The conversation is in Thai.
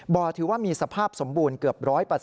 ถือว่ามีสภาพสมบูรณ์เกือบ๑๐๐